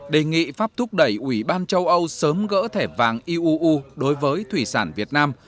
đề nghị pháp thúc đẩy ủy ban châu âu sớm gỡ thẻ vàng iuu đối với thủy sản việt nam